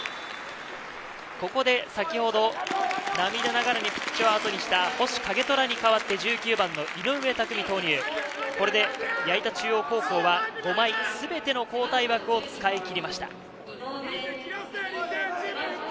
ここで先ほど涙ながらにピッチをあとにした星景虎に代わって１９番の井上拓実を投入、これで矢板中央高校は５枚すべての交代枠を使い切りました。